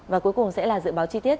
và cuối cùng sẽ là dự báo chi tiết